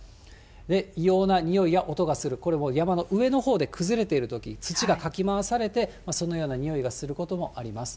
で、異様なにおいや音がする、これも山の上のほうで崩れているとき、土がかき回されて、そのようなにおいがすることもあります。